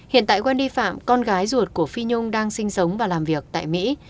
hiện tại waly phạm con gái ruột của phi nhung đang sinh sống và làm việc tại mỹ